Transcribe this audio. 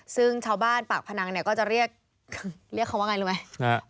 ซึ่งชาวบ้านปากพนังก็จะเรียกคืนเรียกคำว่าอย่างไรรู้ไหม